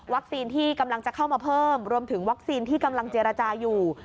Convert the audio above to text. ที่กำลังจะเข้ามาเพิ่มรวมถึงวัคซีนที่กำลังเจรจาอยู่